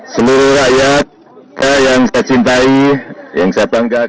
seluruh rakyat yang saya cintai yang saya banggakan